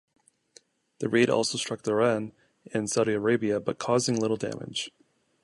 The raid also struck Dhahran in Saudi Arabia, but causing little damage.